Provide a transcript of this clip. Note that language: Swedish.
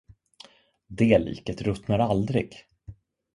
Det liket ruttnar aldrig.